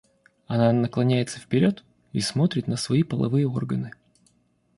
Она наклоняется вперёд и смотрит на свои половые органы.